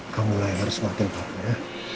kamulah yang harus khawatir banget ya